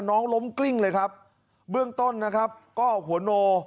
น้องล้มกลิ้งเลยครับเบื้องต้นนะครับก็หัวโน